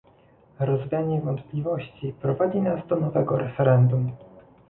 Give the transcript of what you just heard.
Rozwianie wątpliwości prowadzi nas do nowego referendum